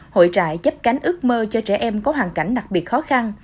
hội trại chấp cánh ước mơ cho trẻ em có hoàn cảnh đặc biệt khó khăn